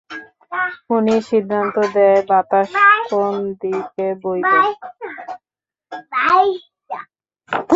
উনিই সিদ্ধান্ত দেয়, বাতাস কোন দিকে বইবে।